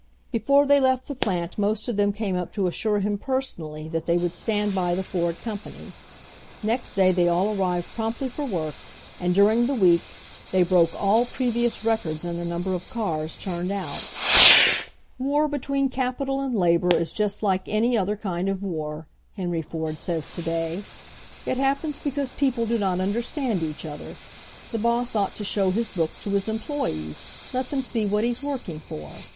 Before they left the plant most of them came up to assure him personally that they would stand by the Ford company. Next day they all arrived promptly for work, and during the week the 1 broke all previous records in the number of c4 s turned out. "War between capital and labor is just like any other kind < f war," Henry Ford says to day. "It // 128 HENRY FORD'S OWN STORY happens because people do not understand each other. The boss ought to show his books to his employees, let them see what he's working for.